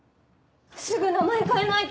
すぐ名前変えないと！